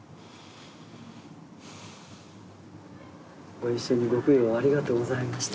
ご一緒に御供養ありがとうございました。